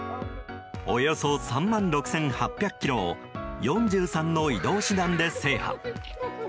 およそ３万６８００ｋｍを４３の移動手段で制覇。